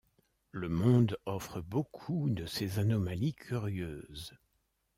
Le monde offre beaucoup de ces anomalies curieuses.